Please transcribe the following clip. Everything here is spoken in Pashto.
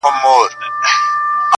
جانه ځان دي ټوله پکي وخوړ~